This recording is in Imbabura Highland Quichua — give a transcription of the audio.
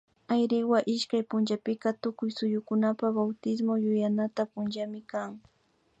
Ayriwa ishkay punllapika tukuy suyukunapak Autismo yuyanata punllami kan